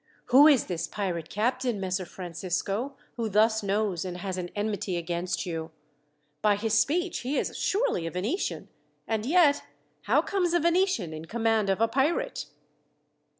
"Who is this pirate captain, Messer Francisco, who thus knows and has an enmity against you? By his speech he is surely a Venetian. And yet, how comes a Venetian in command of a pirate?"